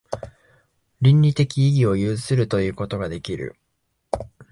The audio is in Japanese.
倫理的意義を有するということができる。